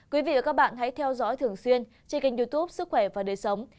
quý vị và các bạn hãy theo dõi thường xuyên trên kênh youtube sức khỏe và đời sống